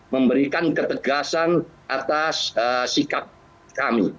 memberikan ketegasan atas sikap kami